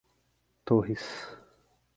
Torres